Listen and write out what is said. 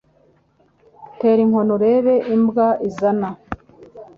Tera inkoni urebe imbwa izana.